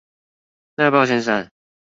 哪要不要先刪